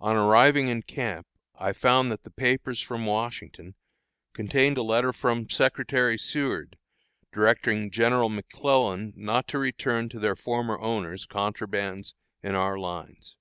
On arriving in camp I found that the papers from Washington contained a letter of Secretary Seward, directing General McClellan not to return to their former owners contrabands in our lines.